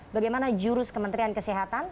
bagaimana jurus kementerian kesehatan